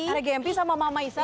ada gempy sama mama isau ya